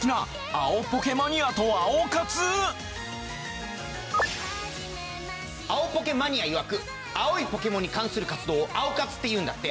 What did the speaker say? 青ポケマニアいわく青いポケモンに関する活動を青活って言うんだって。